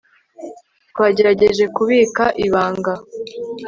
twagerageje kubika ibanga